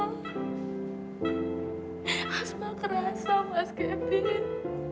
asma kerasa mas kevin